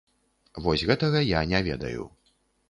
Вось гэтага я не ведаю.